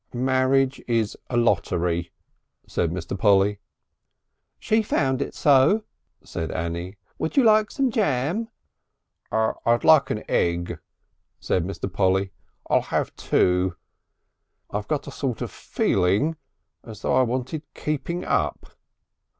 "Marriage is a lottery," said Mr. Polly. "She found it so," said Annie. "Would you like some jam?" "I'd like an egg," said Mr. Polly. "I'll have two. I've got a sort of feeling . As though I wanted keeping up....